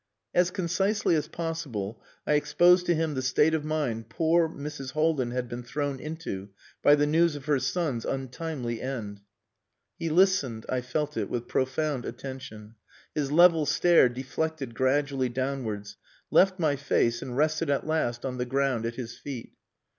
As concisely as possible I exposed to him the state of mind poor Mrs. Haldin had been thrown into by the news of her son's untimely end. He listened I felt it with profound attention. His level stare deflected gradually downwards, left my face, and rested at last on the ground at his feet.